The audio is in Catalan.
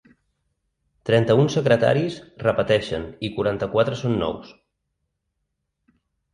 Trenta-un secretaris repeteixen i quaranta-quatre són nous.